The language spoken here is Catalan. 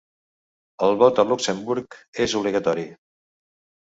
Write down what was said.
El vot a Luxemburg és obligatori.